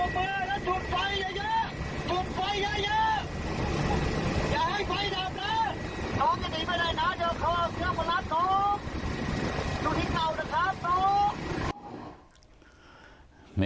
้อกตูหิ้นเธอละครับ